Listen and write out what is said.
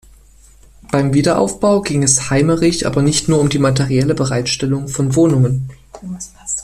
Beim Wiederaufbau ging es Heimerich aber nicht nur um die materielle Bereitstellung von Wohnungen.